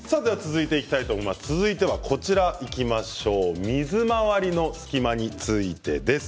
続いては水回りの隙間についてです。